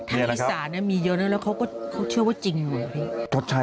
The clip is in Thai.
ไทยศาสน์มีเยอะแล้วแล้วเขาก็เชื่อว่าจริงเหรอพี่